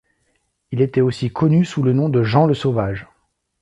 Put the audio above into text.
Il était aussi connu sous le nom de Jean Le Sauvage.